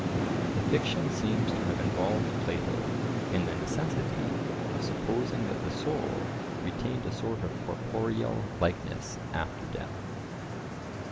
The fiction seems to have involved Plato in the necessity of supposing that the soul retained a sort of corporeal likeness after death.